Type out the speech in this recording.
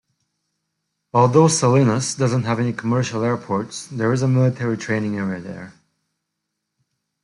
Although Salinas doesn't have any commercial airports, there is a military training area there.